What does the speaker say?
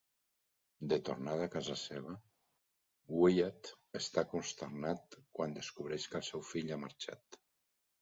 De tornada a casa seva, Wyatt està consternat quan descobreix que el seu fill ha marxat.